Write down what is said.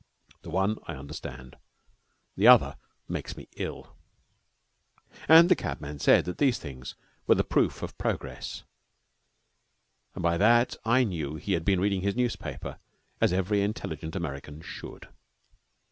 The one I understand. The other makes me ill. And the cabman said that these things were the proof of progress, and by that I knew he had been reading his newspaper, as every intelligent American should.